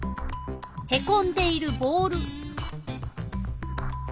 へこんでいるボール。